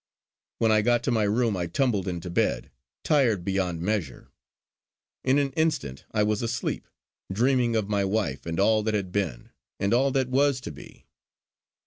When I got to my room I tumbled into bed, tired beyond measure. In an instant I was asleep, dreaming of my wife and all that had been, and all that was to be.